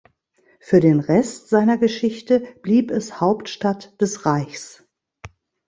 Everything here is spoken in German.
Für den Rest seiner Geschichte blieb es Hauptstadt des Reichs.